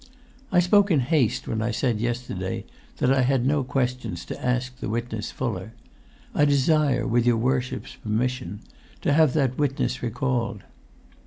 I spoke in haste when I said, yesterday, that I had no questions to ask the witness Fuller. I desire, with your worships' permission, to have that witness recalled."